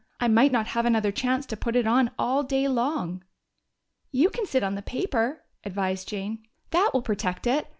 I might not have another chance to put it on all day long!" "You can sit on the paper," advised Jane. "That will protect it.